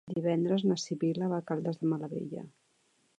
Divendres na Sibil·la va a Caldes de Malavella.